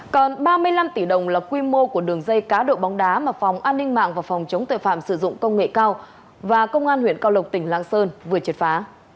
còn ba mươi năm tỷ đồng là quy mô của đường dây cá độ bóng đá mà phòng an ninh mạng và phòng chống tội phạm sử dụng công nghệ cao và công an huyện cao lộc tỉnh lạng sơn vừa triệt phá